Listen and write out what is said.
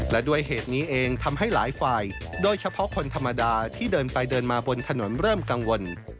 และด้วยเหตุนี้เองทำให้หลายฝ่ายโดยเฉพาะคนธรรมดาที่เดินไปเดินมาบนถนนเริ่มกังวล